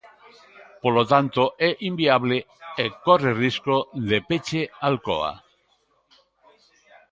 Polo tanto, é inviable, e corre risco de peche Alcoa.